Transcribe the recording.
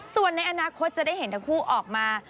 ส่วนในอนาคตจะได้เห็นทั้งคู่ออกมา